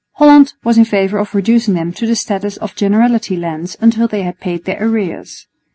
Holland was in favour of reducing them to the status of Generality lands until they had paid their arrears.